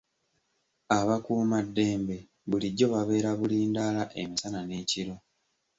Abakuumaddembe bulijjo babeera bulindaala emisana n'ekiro.